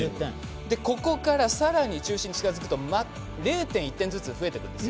ここから、さらに中心に近づくと０．１点ずつ増えていくんです。